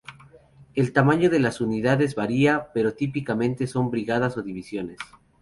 El tamaño de las unidades varía, pero típicamente son brigadas o divisiones.